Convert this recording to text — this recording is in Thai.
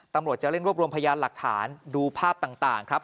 ตำรวจจะเร่งรวบรวมพยานหลักฐานดูภาพต่างครับ